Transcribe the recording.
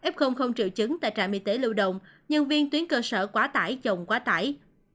f triệu chứng tại trạm y tế lưu động nhân viên tuyến cơ sở quá tải chồng quá tải